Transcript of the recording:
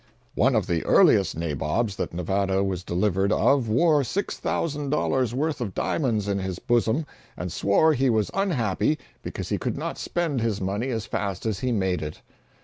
One of the earliest nabobs that Nevada was delivered of wore $6,000 worth of diamonds in his bosom, and swore he was unhappy because he could not spend his money as fast as he made it.